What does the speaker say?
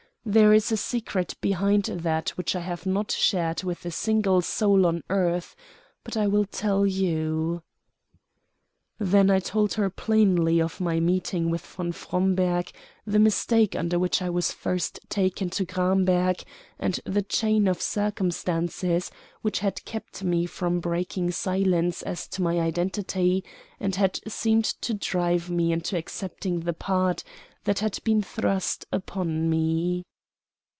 There is a secret behind that which I have not shared with a single soul on earth; but I will tell you." Then I told her plainly of my meeting with von Fromberg, the mistake under which I was first taken to Gramberg, and the chain of circumstances which had kept me from breaking silence as to my identity and had seemed to drive me into accepting the part that had been thrust upon me.